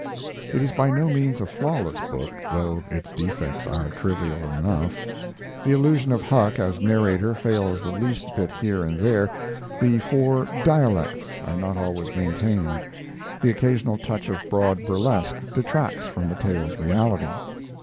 It is by no means a flawless book, though its defects are trivial enough. The illusion of Huck as narrator fails the least bit here and there; the "four dialects" are not always maintained; the occasional touch of broad burlesque detracts from the tale's reality.